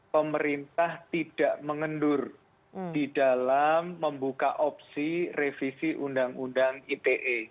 pemerintah tidak mengendur di dalam membuka opsi revisi undang undang ite